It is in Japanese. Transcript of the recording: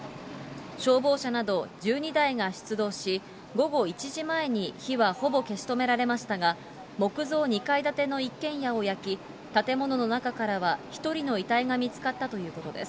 消防車など１２台が出動し、午後１時前に火はほぼ消し止められましたが、木造２階建ての一軒家を焼き、建物の中からは１人の遺体が見つかったということです。